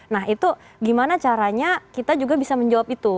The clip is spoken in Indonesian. nah itu gimana caranya kita juga bisa menjawab itu